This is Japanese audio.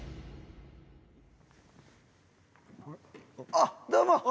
あっどうも！